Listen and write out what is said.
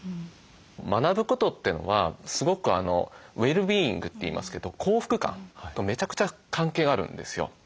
学ぶことってのはすごくウェルビーイングって言いますけど幸福感とめちゃくちゃ関係があるんですよ。